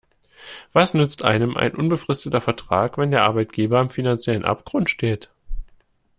Was nützt einem ein unbefristeter Vertrag, wenn der Arbeitgeber am finanziellen Abgrund steht?